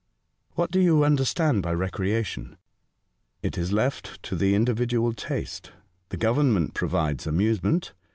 " What do you understand by recreation ?" "It is left to the individual taste. The Government provides amusement.